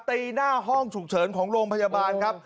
ตีหน้าห้องฉุกเฉินของโรงพยาบาลครับ